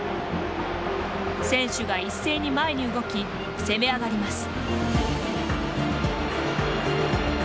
選手が一斉に前に動き攻め上がります。